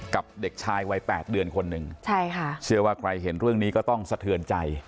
เด็กชายวัยแปดเดือนคนหนึ่งใช่ค่ะเชื่อว่าใครเห็นเรื่องนี้ก็ต้องสะเทือนใจ